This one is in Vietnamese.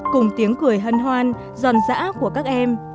cùng tiếng cười hân hoan giòn dã của các em